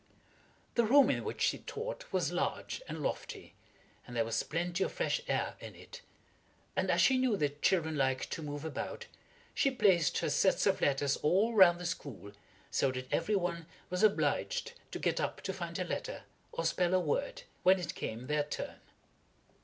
The room in which she taught was large and lofty, and there was plenty of fresh air in it; and as she knew that children liked to move about, she placed her sets of letters all round the school, so that every one was obliged to get up to find a letter, or spell a word, when it came their turn.